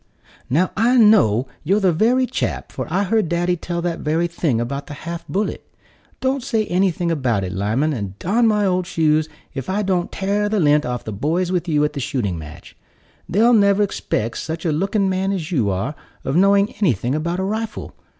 "Now I know you're the very chap, for I heard daddy tell that very thing about the half bullet. Don't say anything about it, Lyman, and darn my old shoes, if I don't tare the lint off the boys with you at the shooting match. They'll never 'spect such a looking man as you are of knowing anything about a rifle.